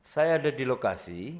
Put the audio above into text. saya ada di lokasi